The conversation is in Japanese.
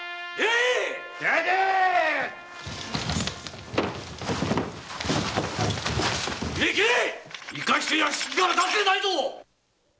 生かして屋敷から出すでないぞ！